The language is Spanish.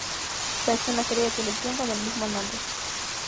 Se ha hecho una serie de televisión con el mismo nombre.